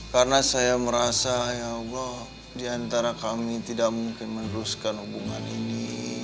karena saya merasa ya allah diantara kami tidak mungkin meneruskan hubungan ini